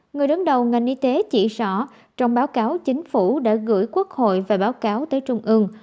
người đứng đầu ngành y tế chỉ rõ trong báo cáo chính phủ đã gửi quốc hội và báo cáo tới trung ương